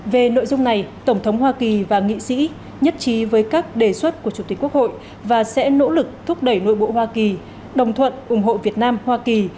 về nội dung này tổng thống hoa kỳ và nghị sĩ nhất trí với các đề xuất của chủ tịch quốc hội và sẽ nỗ lực thúc đẩy nội bộ hoa kỳ đồng thuận ủng hộ việt nam hoa kỳ